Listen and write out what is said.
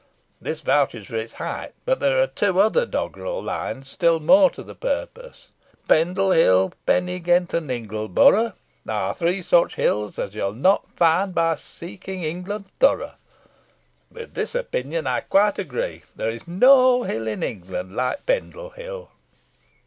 This vouches for its height, but there are two other doggerel lines still more to the purpose 'Pendle Hill, Pennygent, and Ingleborough, Are three such hills as you'll not find by seeking England thorough.' With this opinion I quite agree. There is no hill in England like Pendle Hill."